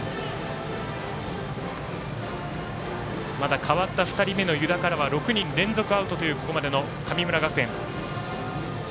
まだ代わった２人目の湯田からは６人連続アウトというここまでの神村学園。